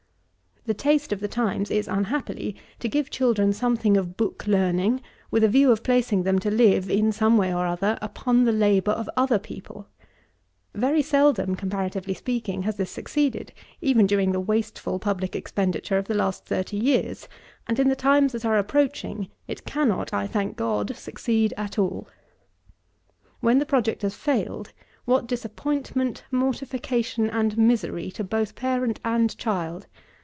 The taste of the times is, unhappily, to give to children something of book learning, with a view of placing them to live, in some way or other, upon the labour of other people. Very seldom, comparatively speaking, has this succeeded, even during the wasteful public expenditure of the last thirty years; and, in the times that are approaching, it cannot, I thank God, succeed at all. When the project has failed, what disappointment, mortification and misery, to both parent and child!